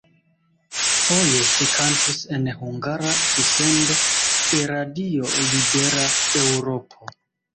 Foje ŝi kantis en hungara dissendo de Radio Libera Eŭropo.